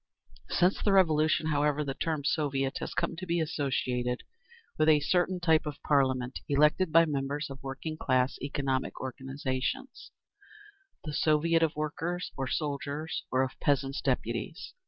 _ Since the Revolution, however, the term Soviet has come to be associated with a certain type of parliament elected by members of working class economic organisations—the Soviet of Workers', of Soldiers', or of Peasants' Deputies.